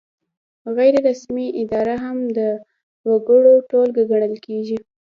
غیر رسمي اداره هم د وګړو ټولګه ګڼل کیږي.